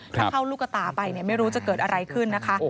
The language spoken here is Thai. ถ้าเข้าลูกกระตาไปไม่รู้จะเกิดอะไรขึ้นนะคะ